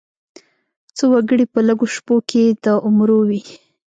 څه وګړي په لږو شپو کې د عمرو وي.